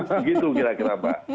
begitu kira kira pak